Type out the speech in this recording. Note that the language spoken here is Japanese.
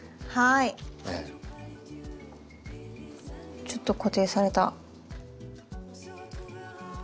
ちょっと固定された。